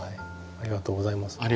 ありがとうございます。